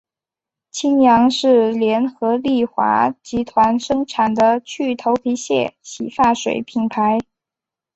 清扬是联合利华集团生产的去头皮屑洗发水品牌。